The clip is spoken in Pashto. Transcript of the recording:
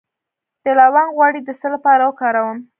د لونګ غوړي د څه لپاره وکاروم؟